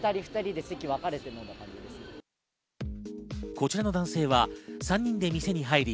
こちらの男性は３人で店に入り、